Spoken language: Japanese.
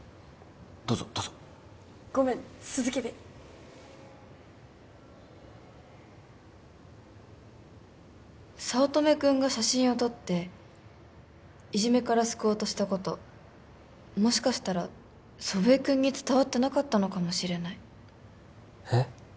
どうぞどうぞごめん続けて早乙女君が写真を撮っていじめから救おうとしたこともしかしたら祖父江君に伝わってなかったのかもしれないえっ？